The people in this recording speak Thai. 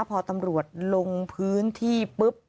พอตำรวจลงพื้นที่ปุ๊บ